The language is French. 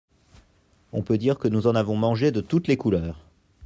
On peut dire que nous en avons mangé de toutes les couleurs.